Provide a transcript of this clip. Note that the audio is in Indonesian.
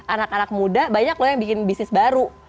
anak anak muda banyak loh yang bikin bisnis baru